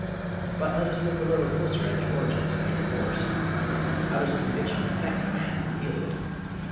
But let us look a little closer at the origins of inner force. How does conviction affect the man who feels it?